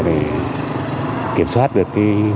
để kiểm soát được